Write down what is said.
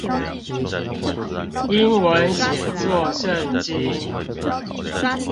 英文寫作聖經